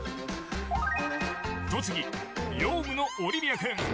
栃木、ヨウムのオリビア君。